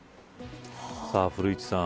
古市さん。